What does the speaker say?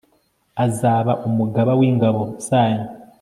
azaba umugaba w'ingabo zanyu